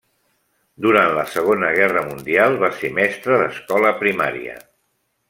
Durant la Segona Guerra Mundial va ser mestre d'escola primària.